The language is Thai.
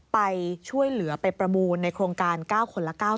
ไปช่วยเหลือไปประมูลในโครงการ๙คนละ๙